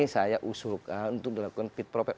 saya usulkan untuk dilakukan fit proper